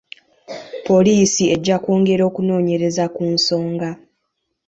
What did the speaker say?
Poliisi ejja kwongera okunoonyereza ku nsonga.